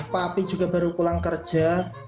papi juga baru pulang kerja